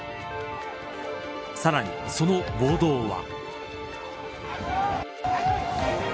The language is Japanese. さらにその暴動は。